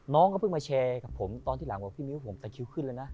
น้องก็เพิ่งมาแชร์กับผมตอนที่หลังบอกพี่มิ้วผมตะคิวขึ้นแล้วนะ